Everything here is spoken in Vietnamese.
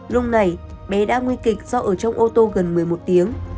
lúc này bé đã nguy kịch do ở trong ô tô gần một mươi một tiếng